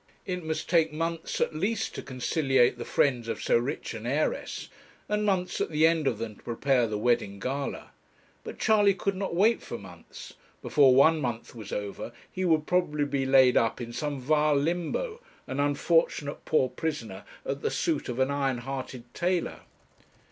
It must take months at least to conciliate the friends of so rich an heiress, and months at the end of them to prepare the wedding gala. But Charley could not wait for months; before one month was over he would probably be laid up in some vile limbo, an unfortunate poor prisoner at the suit of an iron hearted tailor.